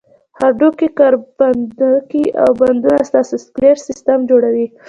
هډوکي، کرپندوکي او بندونه ستاسې سکلېټ سیستم جوړوي.